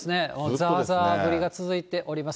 ざーざー降りが続いております。